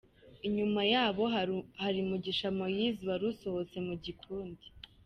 Inyuma yabo hari Mugisha Moïse wari wasohotse mu gikundi.